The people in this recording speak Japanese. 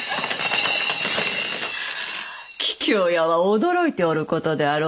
桔梗屋は驚いておることであろうのう。